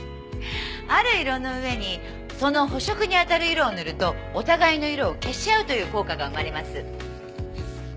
ある色の上にその補色に当たる色を塗るとお互いの色を消し合うという効果が生まれます。